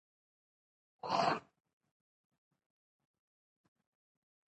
دا تجربه تازه ده.